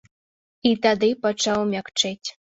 І тады пачаў мякчэць.